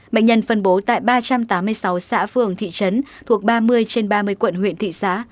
bệnh nhân phân bố tại ba trăm tám mươi sáu xã phường thị trấn thuộc ba mươi trên ba mươi quận huyện thị xã